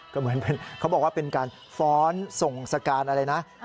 ก็เหมือนเขาบอกว่าเป็นการฟ้อนส่งสการอะไรนะ